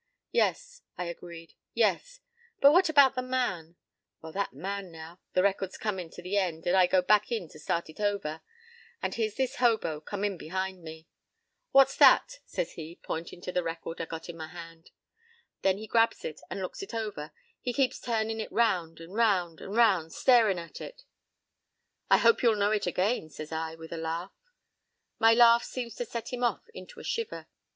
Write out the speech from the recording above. p> "Yes," I agreed, "yes.—But what about the man?" "Well, that man, now. The record's comin' to the end and I go back in to start it over. And, here's this hobo, come in behind me."'What's that?' says he, pointin' to the record I got in my hand. "Then he grabs it and looks it over. He keeps turnin' it round and round and round, starin' at it. "'I hope you'll know it again,' says I, with a laugh. "My laugh seems to set him off into a shiver.